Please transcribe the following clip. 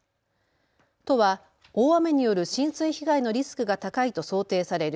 都は大雨による浸水被害のリスクが高いと想定される